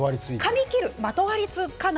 まとわりつくの？